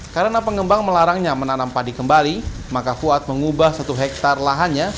karena pengembang melarangnya menanam padi kembali maka fuad mengubah satu hektare lahannya